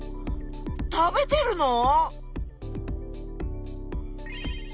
食べてるの？